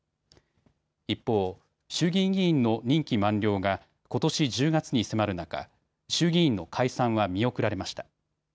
一方、衆議院議員の任期満了がことし１０月に迫る中、衆議院の解散は見送られました。